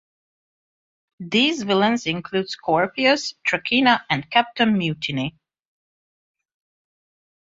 These villains include Scorpius, Trakeena, and Captain Mutiny.